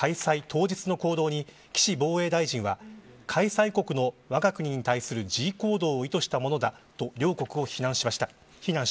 当日の行動に、岸防衛大臣は開催国のわが国に対する示威行動を意図したものだと両国を非難しました。